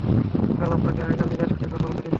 কারণ আপনাকে আয়নায় নিজের সাথে কথা বলতে দেখেছি।